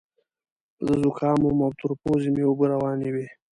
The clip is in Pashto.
زه ذکام وم او تر پوزې مې اوبه روانې وې.